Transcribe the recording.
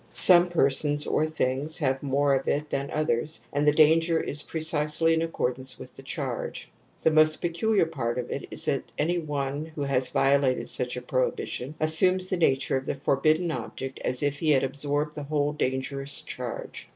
Some persons or things have more of it than others and the danger is precisely in accordance with the charge. The most peculiar part of it is that any one who has violated such a prohibition assumes the nature of the forbidden object as if he had absorbed the whole dangerous charge.